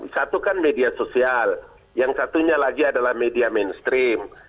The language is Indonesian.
satu kan media sosial yang satunya lagi adalah media mainstream